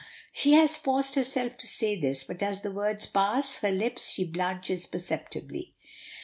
She has forced herself to say this; but as the words pass her lips she blanches perceptibly.